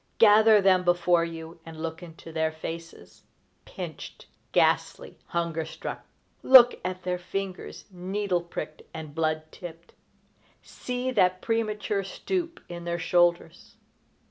Gather them before you and look into their faces, pinched, ghastly, hunger struck! Look at their fingers, needle picked and blood tipped! See that premature stoop in the shoulders!